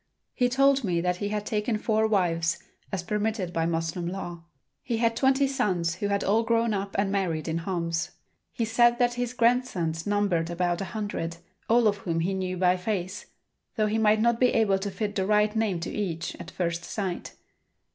He told me that he had taken four wives, as permitted by Moslem law. He had twenty sons who had all grown up and married in Homs. He said that his grandsons numbered about a hundred, all of whom he knew by face, though he might not be able to fit the right name to each, at first sight.